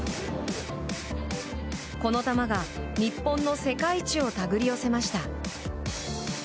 この球が日本の世界一を手繰り寄せました。